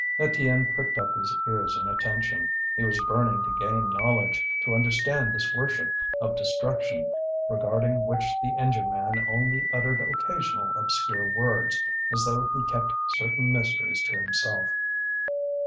Étienne pricked up his ears in attention. He was burning to gain knowledge, to understand this worship of destruction, regarding which the engine man only uttered occasional obscure words, as though he kept certain mysteries to himself.